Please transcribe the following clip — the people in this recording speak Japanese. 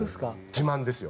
自慢ですよ